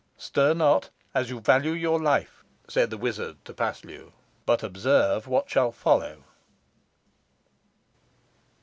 "Stir not, as you value your life," said the wizard to Paslew; "but observe what shall follow."